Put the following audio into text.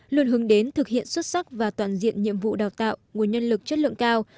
luôn hướng đến thực hiện xuất sắc và toàn diện nhiệm vụ đào tạo nguồn nhân lực chất lượng cao